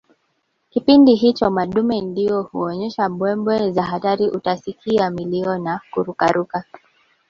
Kipindi hicho madume ndio huonyesha mbwembwe za hatari utasikia milio na kurukaruka